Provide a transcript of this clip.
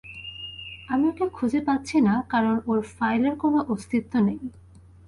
আমি ওকে খুঁজে পাচ্ছি না, কারণ ওর ফাইলের কোনো অস্তিত্ব নেই।